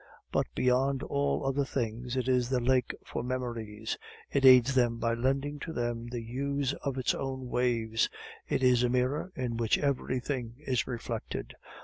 But beyond all other things it is the lake for memories; it aids them by lending to them the hues of its own waves; it is a mirror in which everything is reflected.